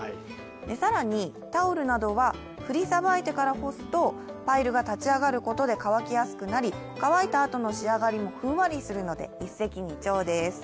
更に、タオルなどは振りさばいてから干すと、パイルが立ち上がることで乾きやすくなり、乾いたあとの仕上がりもふんわりするので一石二鳥です。